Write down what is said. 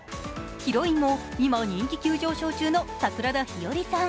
ヒロインも今人気急上昇中の桜田ひよりさん。